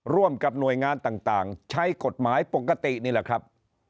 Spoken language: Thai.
ร่วมกับหน่วยงานต่างใช้กฎหมายปกตินี่แหละครับ